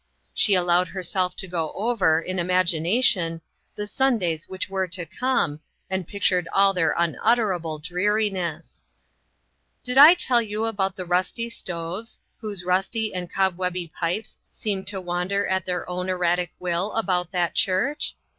She allowed herself to go over, in imagination, the Sundays which were to come, and pic tured all their unutterable dreariness. 74 INTERRUPTED. Did I tell you about the rusty stoves, whose rusty and cobwebby pipes seemed to wander at their own erratic will about that church?